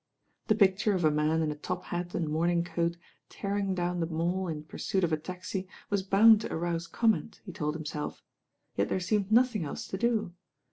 The picture of a man in a top hat and morning, coat tearing down the Mall in pursuit of a taxi was bound to arouse comment, he told himself; yet there seemed nothing else to do.